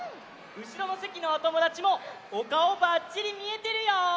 うしろのせきのおともだちもおかおバッチリみえてるよ！